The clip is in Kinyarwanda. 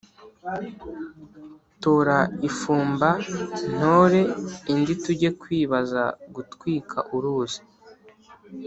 Tora ifumba ntore indi tujye kwibaza-Gutwika uruzi.